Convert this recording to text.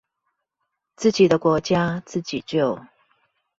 自己的國家自己救